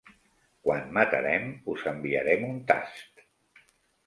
Quan matarem, us enviarem un tast.